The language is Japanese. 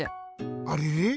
あれれ？